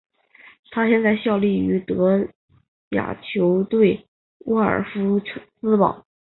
他现在效力于德甲球队沃尔夫斯堡。